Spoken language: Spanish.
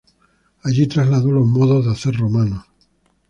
Allí trasladó los modos de hacer romanos.